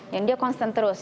yang dia constant terus